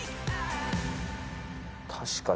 確かに。